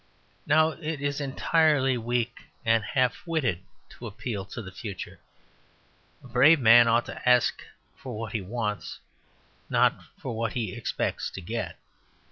Now, it is entirely weak and half witted to appeal to the future. A brave man ought to ask for what he wants, not for what he expects to get.